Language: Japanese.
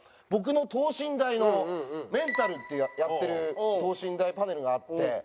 僕の等身大の「メンタル！！」ってやってる等身大パネルがあって。